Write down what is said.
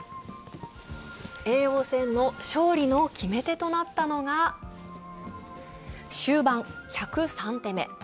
叡王戦の勝利の決め手となったのが終盤１０３手目。